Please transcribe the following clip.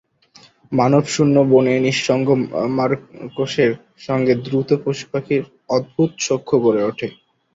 জনমানবশূন্য বনে নিঃসঙ্গ মারকোসের সঙ্গে দ্রুত পশুপাখির অদ্ভুত সখ্য গড়ে ওঠে।